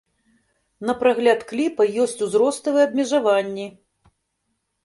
На прагляд кліпа ёсць узроставыя абмежаванні!